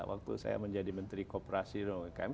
waktu saya menjadi menteri kooperasi dan umkm